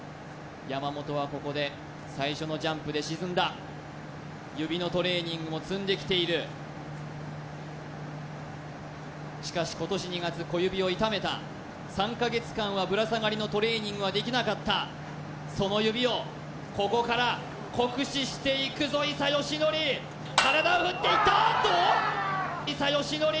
山本はここで最初のジャンプで沈んだ指のトレーニングも積んできているしかし今年２月小指を痛めた３カ月間はぶら下がりのトレーニングはできなかったその指をここから酷使していくぞ伊佐嘉矩あっダメだ！